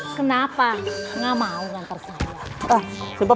kenapa nggak mau antar sama